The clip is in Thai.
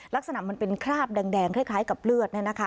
ลักษณะมันเป็นคราบแดงคล้ายกับเลือด